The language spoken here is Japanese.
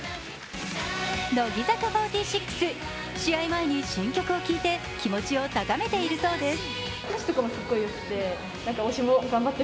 乃木坂４６、試合前に新曲を聴いて気持ちを高めているそうです。